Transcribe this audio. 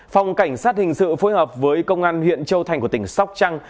phòng cảnh sát hình sự phối hợp với công an huyện châu thành của tỉnh sóc trăng